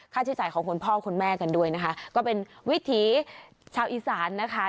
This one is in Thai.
ใช้จ่ายของคุณพ่อคุณแม่กันด้วยนะคะก็เป็นวิถีชาวอีสานนะคะ